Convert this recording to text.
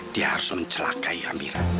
dia harus mencelakai amira